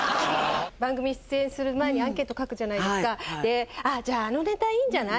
番組出演する前にアンケート書くじゃないですか、じゃあ、あのネタいいんじゃない？